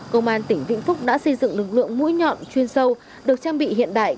công an tỉnh vĩnh phúc đã xây dựng lực lượng mũi nhọn chuyên sâu được trang bị hiện đại